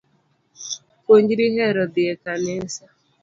Puonjri hero dhii e kanisa